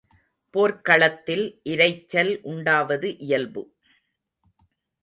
போர்க்களத்தில் இரைச்சல் உண்டாவது இயல்பு.